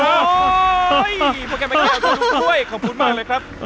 โหโอ้ยพวกแกบอกให้ทราบตัวชมด้วยขอบคุณมากเลยครับ